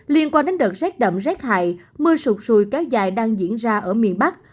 liên quan đến đợt rét đậm rét hại mưa sụt sùi kéo dài đang diễn ra ở miền bắc